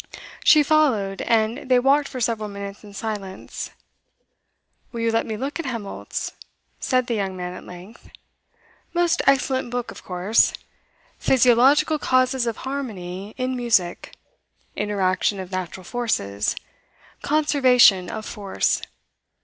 She followed, and they walked for several minutes in silence. 'Will you let me look at Helmholtz?' said the young man at length. 'Most excellent book, of course. "Physiological Causes of Harmony in Music," "Interaction of Natural Forces," "Conservation of Force."